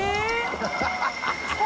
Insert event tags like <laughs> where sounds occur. ハハハ <laughs>